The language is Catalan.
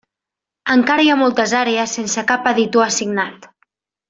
Encara hi ha moltes àrees sense cap editor assignat.